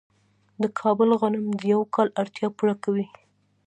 د کابل غنم د یو کال اړتیا پوره کوي.